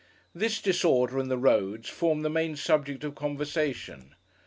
This disorder, and the roads, formed the main subject of conversation.